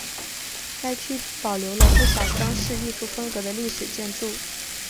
该区保留了不少装饰艺术风格的历史建筑。